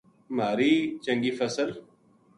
مھاری چنگی فصل